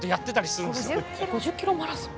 ５０ｋｍマラソン。